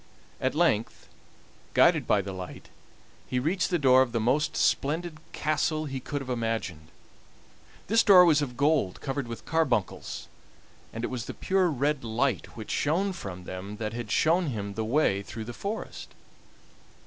At length, guided by the light, he reached the door of the most splendid castle he could have imagined. This door was of gold covered with carbuncles, and it was the pure red light which shone from them that had shown him the way through the forest.